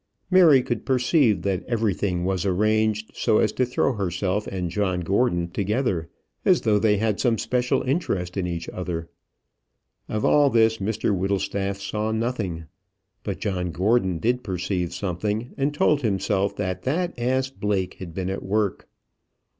Mary could perceive that everything was arranged so as to throw herself and John Gordon together, as though they had some special interest in each other. Of all this Mr Whittlestaff saw nothing. But John Gordon did perceive something, and told himself that that ass Blake had been at work.